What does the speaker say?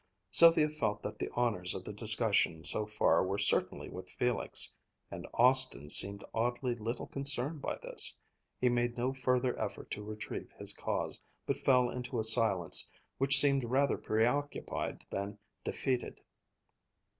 Sylvia felt that the honors of the discussion so far were certainly with Felix. And Austin seemed oddly little concerned by this. He made no further effort to retrieve his cause, but fell into a silence which seemed rather preoccupied than defeated.